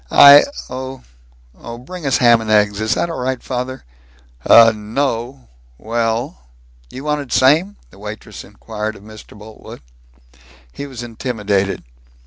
"I oh oh, bring us ham and eggs. Is that all right, father?" "Oh no well " "You wanted same?" the waitress inquired of Mr. Boltwood. He was intimidated.